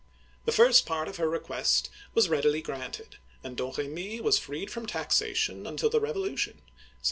The first part of her request was readily granted, and Domremy was free from taxation until the Revolution (1792).